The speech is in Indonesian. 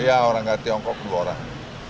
ya orangnya tiongkok dua orang